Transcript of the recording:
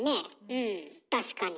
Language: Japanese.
うん確かに。